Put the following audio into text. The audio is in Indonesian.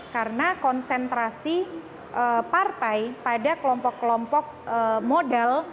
karena konsentrasi partai pada kelompok kelompok modal